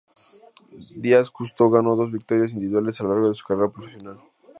Díaz Justo ganó dos victorias individuales a lo largo de su carrera profesional.